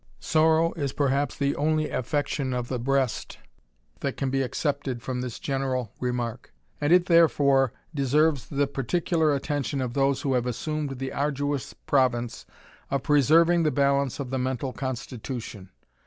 Sorrow is perhaps the only affection of the breast that can be excepted from this general remark, and it therefore deserves the particular attention of those who have assumed the arduous province of preserving the balance of the mental constitution.